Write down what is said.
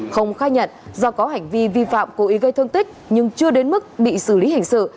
không khai nhận do có hành vi vi phạm cố ý gây thương tích nhưng chưa đến mức bị xử lý hình sự